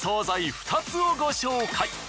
２つをご紹介！